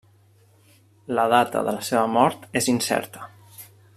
La data de la seva mort és incerta.